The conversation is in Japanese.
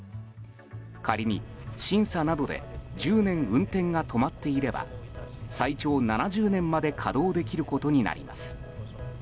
仮に、審査などで１０年運転が止まっていれば最長７０年まで稼働できることになります。